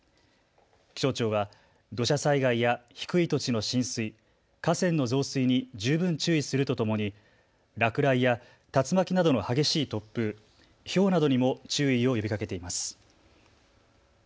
気象庁は土砂災害や低い土地の浸水、河川の増水に十分注意するとともに落雷や竜巻などの激しい突風、ひょうなどにも注意を呼びかけています。